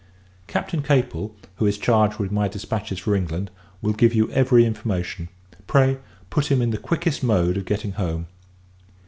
Captain Capel, who is charged with my dispatches for England, will give you every information. Pray, put him in the quickest mode of getting home.